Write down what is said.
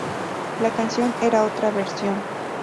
La canción era otra versión.